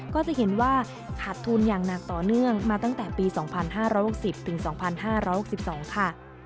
ก็จะเห็นว่าขาดทุนอย่างหนักต่อเนื่องมาตั้งแต่ปี๒๕๖๐ถึง๒๕๖๒ค่ะ